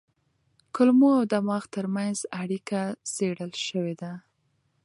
کولمو او دماغ ترمنځ اړیکه څېړل شوې ده.